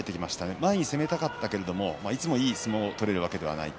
前に攻めたかったけれどもいつもいい相撲が取れるわけではない。